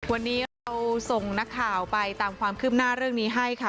วันนี้เราส่งนักข่าวไปตามความคืบหน้าเรื่องนี้ให้ค่ะ